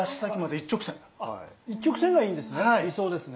一直線がいいんですね。